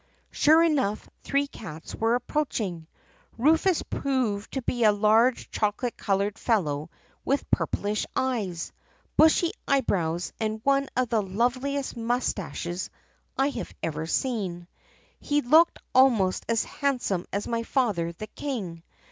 "Sure enough, three cats were approaching. Rufus proved to be a large chocolate colored fellow with purplish eyes, bushy eyebrows, and one of the loveliest mustaches I have ever seen. He looked almost as handsome as my father the king.